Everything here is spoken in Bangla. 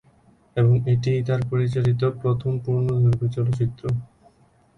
এবং এটিই তার পরিচালিত প্রথম পূর্ণদৈর্ঘ্য চলচ্চিত্র।